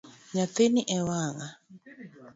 Nyathini e wang'a.